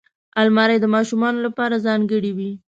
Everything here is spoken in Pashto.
الماري د ماشومانو لپاره ځانګړې وي